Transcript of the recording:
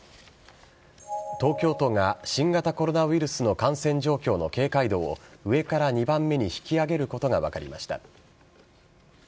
東京都が新型コロナウイルスの感染状況の警戒度を上から２番目に引き上げることが分かりました。